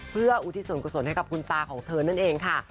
เพื่ออุทิศส่วนกุศลให้กับคุณตาของเธอนั่นเองค่ะ